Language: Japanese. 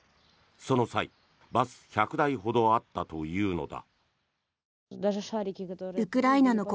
その際、バス１００台ほどあったというのだ。